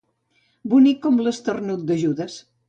Bonic com l'esternut de Judes.